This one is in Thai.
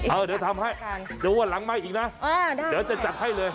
เออเดี๋ยวทำให้เดี๋ยววันหลังไหม้อีกนะเดี๋ยวจะจัดให้เลย